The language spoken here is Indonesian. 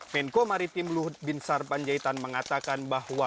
menko maritim luhut binsar panjaitan mengatakan bahwa